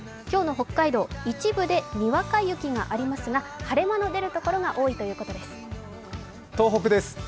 今日の北海道、一部でにわか雪がありますが、晴れ間の出るところが多いということです。